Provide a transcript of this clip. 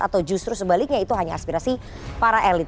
atau justru sebaliknya itu hanya aspirasi para elit